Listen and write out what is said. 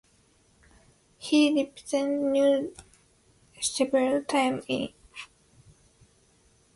He represented New Zealand several times in international amateur tournaments during this period.